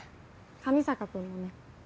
上坂君もね。